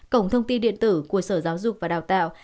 cổng thông tin điện tử của sở giáo dục và đào tạo